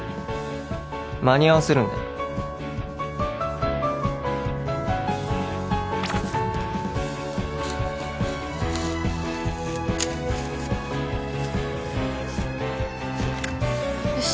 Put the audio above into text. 間に合わせるんだよよし